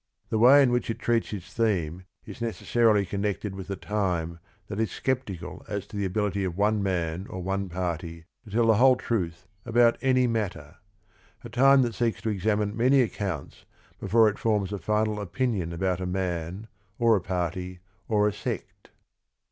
The way in which it treats its theme is necessarily connected with a time that is sceptical as to the ability of one man or one party to tell the whole truth about any matter, — a time that seeks to examine many accounts before it forms a final opinion about a man, or a party, or a sect.